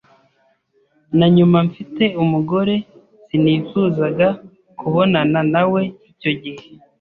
na nyuma mfite umugore sinifuzaga kubonana nawe icyo gihe.